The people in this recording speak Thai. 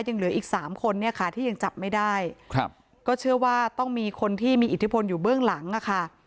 ยังเหลืออีก๓คนที่ยังจับไม่ได้ก็เชื่อว่าต้องมีคนที่มีอิทธิพลอยู่เบื้องหลังค่ะ